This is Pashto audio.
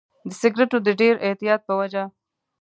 د سیګریټو د ډېر اعتیاد په وجه.